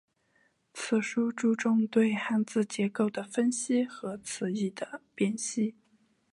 此书注重对汉字结构的分析和词义的辨析。